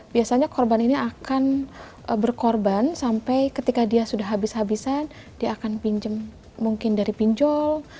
biasanya korban ini akan berkorban sampai ketika dia sudah habis habisan dia akan pinjem mungkin dari pinjol